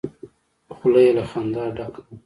خوله يې له خندا ډکه وه.